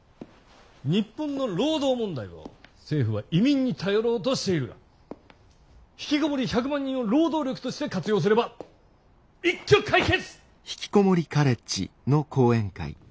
日本の労働問題を政府は移民に頼ろうとしているがひきこもり１００万人を労働力として活用すれば一挙解決！